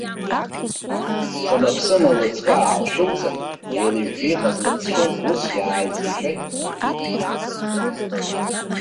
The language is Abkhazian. Хыма-ԥсыма лыҵкы аалшәылҵан, еилыжәжәа иҟаз лыхцәы, ус иааизгашәа иҵалкит.